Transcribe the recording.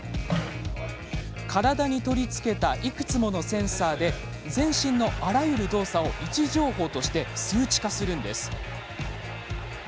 体に取り付けたいくつものセンサーで全身のあらゆる動作を位置情報として数値化するんです。